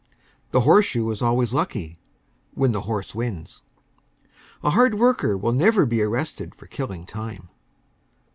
The horseshoe is always lucky when the horse wins. A hard worker will never be arrested for killing time.